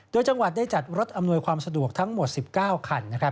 โดยจังหวัดได้จัดรถอำนวยความสะดวกทั้งหมด๑๙คัน